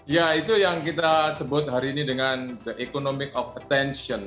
ya itu yang kita sebut hari ini dengan the economic of attention